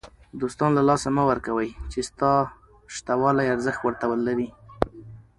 دوستان له لاسه مه ورکوئ! چي ستا سته والى ارزښت ور ته لري.